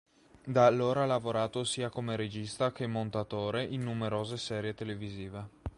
Da allora ha lavorato sia come regista che montatore in numerose serie televisive.